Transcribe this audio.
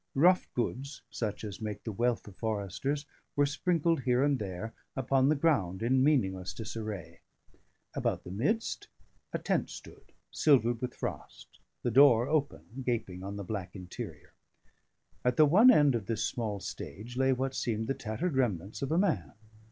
Rough goods, such as make the wealth of foresters, were sprinkled here and there upon the ground in meaningless disarray. About the midst, a tent stood, silvered with frost: the door open, gaping on the black interior. At the one end of this small stage lay what seemed the tattered remnants of a man.